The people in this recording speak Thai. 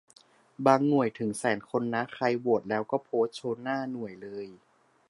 บางหน่วยถึงแสนคนนะ ใครโหวตแล้วก็โพสต์โชว์หน้าหน่วยเลย